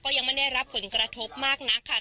ยังไม่ได้รับผลกระทบมากนักค่ะ